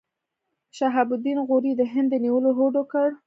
شهاب الدین غوري د هند د نیولو هوډ وکړ.